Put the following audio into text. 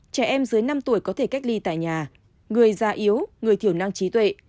trẻ em dưới năm tuổi có thể cách ly tại nhà người già yếu người thiểu năng trí tuệ